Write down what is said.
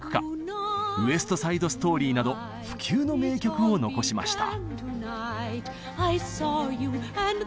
「ウエスト・サイド・ストーリー」など不朽の名曲を残しました。